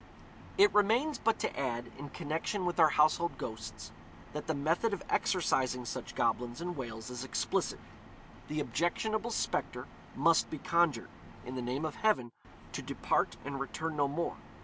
It remains but to add, in connection with our household ghosts, that the method of exorcising such goblins in Wales is explicit. The objectionable spectre must be conjured, in the name of Heaven, to depart, and return no more.